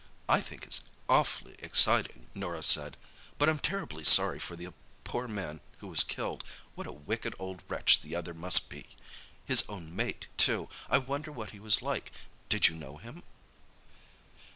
"I think it's awfully exciting," Norah said, "but I'm terribly sorry for the poor man who was killed. What a wicked old wretch the other must be!—his own mate, too! I wonder what he was like. Did you know him?"